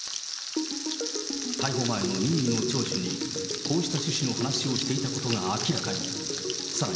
逮捕前の任意の聴取にこうした趣旨の話をしていたことが明らかに。